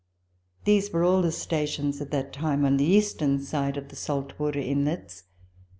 These were all the stations at that time on the eastern side of the Saltwater Inlets.